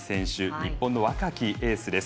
日本の若きエースです。